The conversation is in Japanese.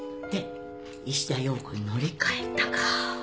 で石田洋子にのりかえたか！